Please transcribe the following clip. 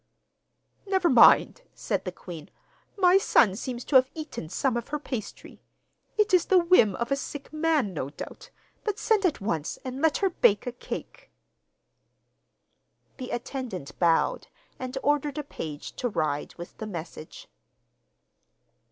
'Never mind,' said the queen; 'my son seems to have eaten some of her pastry. It is the whim of a sick man, no doubt; but send at once and let her bake a cake.' The attendant bowed and ordered a page to ride with the message.